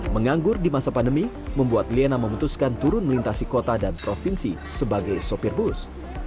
menganggur di masa pandemi membuat liana memutuskan turun melintasi kota dan provinsi sebagai sopir bus